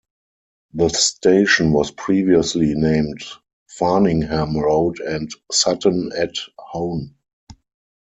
The station was previously named Farningham Road and Sutton-at-Hone.